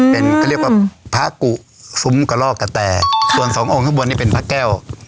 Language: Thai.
เป็นก็เรียกว่าพระคุสุห์กะลอกกะแตส่วน๒องค์ข้างบนนี่เป็นพระเก้ว